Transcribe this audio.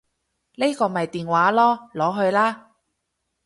呢個咪電話囉，攞去啦